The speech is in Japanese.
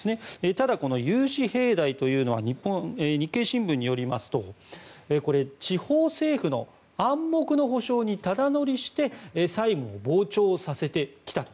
ただ、この融資平台というのは日経新聞によりますと地方政府の暗黙の保証にタダ乗りして債務を膨張させてきたと。